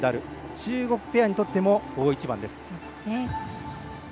中国ペアにとっても大一番です。